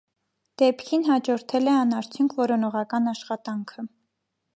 Դեպքին հաջորդել է անարդյունք որոնողական աշխատանքը։